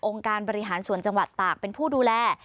การบริหารส่วนจังหวัดตากเป็นผู้ดูแล